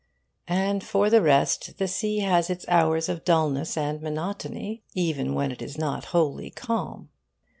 And for the rest, the sea has its hours of dulness and monotony, even when it is not wholly calm.